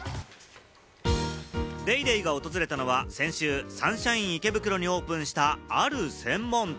『ＤａｙＤａｙ．』が訪れたのは、先週、サンシャイン池袋にオープンしたある専門店。